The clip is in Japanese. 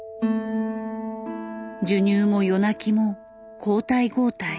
授乳も夜泣きも交代交代。